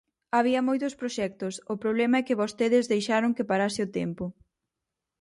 Había moitos proxectos, o problema é que vostedes deixaron que parase o tempo.